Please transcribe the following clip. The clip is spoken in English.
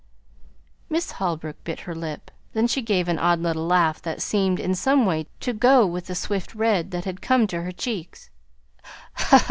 Miss Holbrook bit, her lip; then she gave an odd little laugh that seemed, in some way, to go with the swift red that had come to her cheeks.